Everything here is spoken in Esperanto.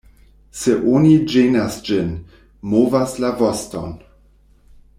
Se oni ĝenas ĝin, movas la voston.